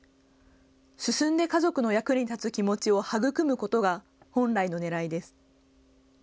進んで家族の役に立つ気持ちを育むことが本来のねらいです。